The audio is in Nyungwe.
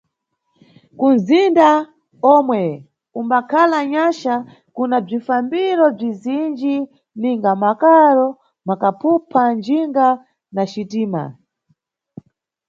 Kunʼzinda omwe umbakhala Nyaxa kuna bzifambiro bzizinji ninga makaro, makaphupha, njinga na xitima.